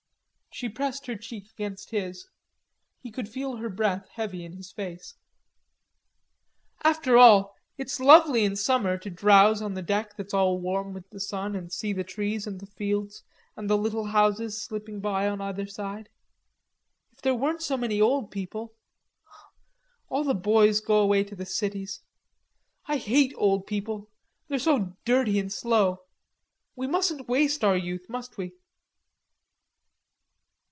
She pressed her cheek against his. He could feel her breath heavy in his face. "After all, it's lovely in summer to drowse on the deck that's all warm with the sun, and see the trees and the fields and the little houses slipping by on either side.... If there weren't so many old people.... All the boys go away to the cities.... I hate old people; they're so dirty and slow. We mustn't waste our youth, must we?"